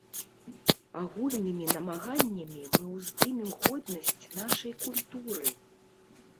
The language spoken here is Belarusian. Агульнымі намаганнямі мы ўздымем годнасць нашай культуры!